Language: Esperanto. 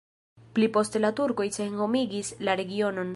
Pli poste la turkoj senhomigis la regionon.